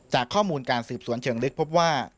ข้อมูลการสืบสวนเชิงลึกพบว่า